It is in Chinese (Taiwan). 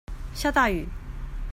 下大雨